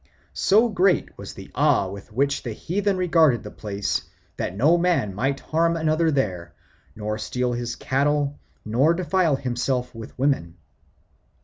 So great was the awe with which the heathen regarded the place that no man might harm another there, nor steal his cattle, nor defile himself with women.